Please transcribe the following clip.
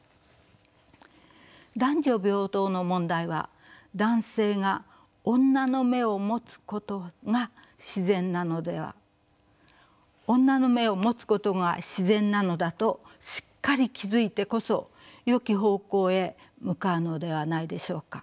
男女平等の問題は男性が女の眼を持つことが自然なのだとしっかり気付いてこそよき方向へ向かうのではないでしょうか。